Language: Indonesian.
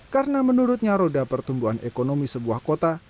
karena menurutnya roda pertumbuhan ekonomi sebuah kota